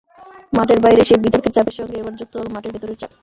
মাঠের বাইরের সেই বিতর্কের চাপের সঙ্গে এবার যুক্ত হলো মাঠের ভেতরের চাপ।